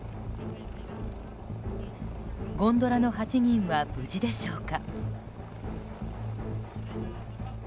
ゴンドラの８人は無事でしょうか。